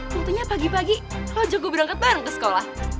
tentunya pagi pagi kalau jago berangkat bareng ke sekolah